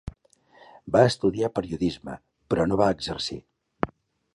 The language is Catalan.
Va estudiar periodisme, però no va exercir.